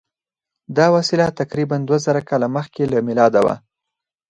دا وسیله تقریبآ دوه زره کاله مخکې له میلاده وه.